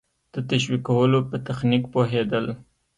د تشویقولو په تخنیک پوهېدل.